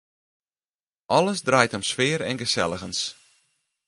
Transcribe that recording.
Alles draait om sfear en geselligens.